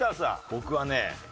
僕はね